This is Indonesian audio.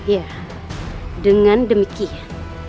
ya dengan demikian